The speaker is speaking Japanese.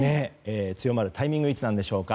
強まるタイミングいつなんでしょうか。